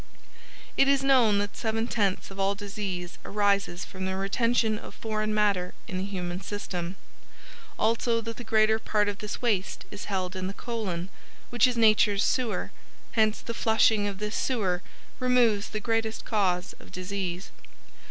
It is known that seven tenths of all disease arises from the retention of foreign matter in the human system, also that the greater part of this waste is held in the colon, which is nature's sewer, hence the flushing of this sewer removes the greatest cause of disease.